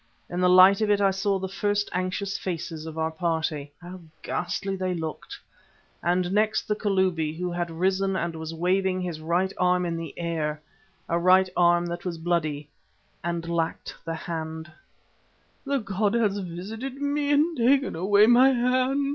In the light of it I saw first the anxious faces of our party how ghastly they looked! and next the Kalubi who had risen and was waving his right arm in the air, a right arm that was bloody and lacked the hand. "The god has visited me and taken away my hand!"